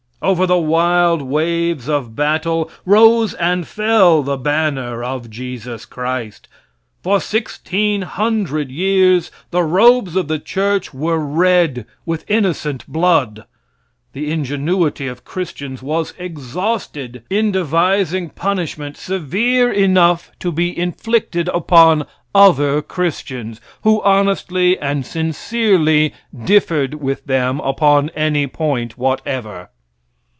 Over the wild waves of battle rose and fell the banner of Jesus Christ. For sixteen hundred years the robes of the church were red with innocent blood. The ingenuity of Christians was exhausted in devising punishment severe enough to be inflicted upon other Christians who honestly and sincerely differed with them upon any point whatever.